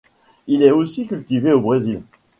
Il est aussi cultivé au Brésil.